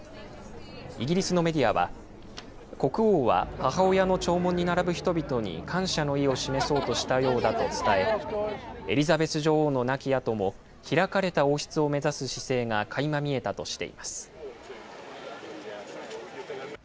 イギリスのメディアは、国王は母親の弔問に並ぶ人々に感謝の意を示そうとしたようだと伝え、エリザベス女王の亡き後も、開かれた王室を目指す姿勢がかいま見えたとしています。